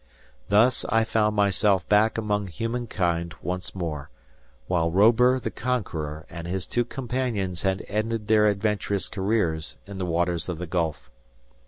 Thus I found myself back among humankind once more, while Robur the Conqueror and his two companions had ended their adventurous careers in the waters of the Gulf.